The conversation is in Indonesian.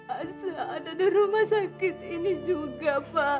asal ada di rumah sakit ini juga pak